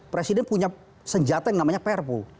presiden punya senjata yang namanya perpu